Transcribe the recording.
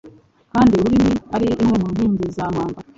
kandi ururimi ari imwe mu nkingi za mwamba